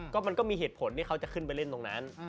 ก็มันก็มีเหตุผลที่เขาจะขึ้นไปเล่นตรงนั้น